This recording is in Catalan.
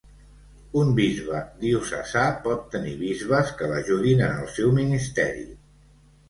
Un bisbe diocesà pot tenir bisbes que l'ajudin en el seu ministeri.